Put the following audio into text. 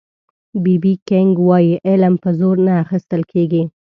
بي بي کېنګ وایي علم په زور نه اخيستل کېږي